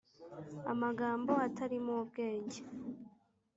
amagambo atarimo ubwenge’